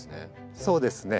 そうですね。